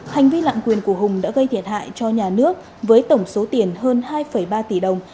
hành vi lạng quyền của hùng đã gây thiệt hại cho nhà nước với tổng số tiền hơn hai ba tỷ đồng